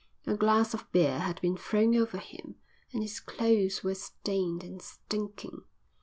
A glass of beer had been thrown over him and his clothes were stained and stinking.